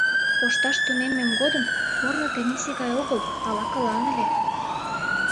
Кошташ тунеммем годым корно тенийсе гай огыл, а лакылан ыле.